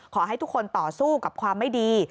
ขอให้ทุกคนต่อสู้กับความไม่ดี